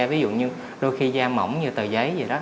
ví dụ như đôi khi da mỏng như tờ giấy